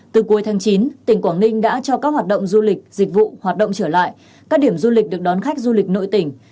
từ cuối tháng chín tỉnh quảng ninh đã cho các hoạt động du lịch dịch vụ hoạt động trở lại các điểm du lịch được đón khách du lịch nội tỉnh